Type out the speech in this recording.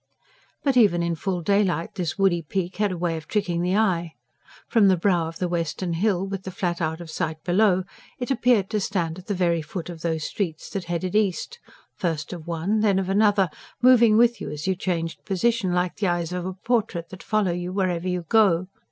But even in full daylight this woody peak had a way of tricking the eye. From the brow of the western hill, with the Flat out of sight below, it appeared to stand at the very foot of those streets that headed east first of one, then of another, moving with you as you changed position, like the eyes of a portrait that follow you wherever you go.